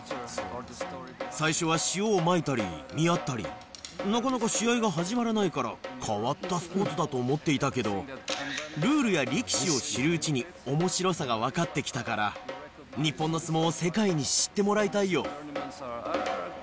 最初は塩をまいたり、見合ったり、なかなか試合が始まらないから、変わったスポーツだと思っていたけど、ルールや力士を知るうちに、おもしろさが分かってきたから、日本の相撲を世界に知ってもらいたいよ。